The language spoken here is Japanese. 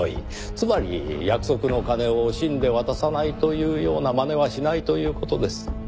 つまり約束の金を惜しんで渡さないというようなまねはしないという事です。